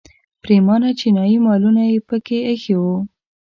پریمانه چینایي مالونه یې په کې ایښي وو.